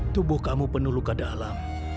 tubuh kamu penuh luka dalam